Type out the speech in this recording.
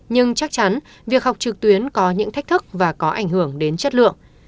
nhưng chắc chắn việc học trực tuyến có những thách thức và có ảnh hưởng đến trường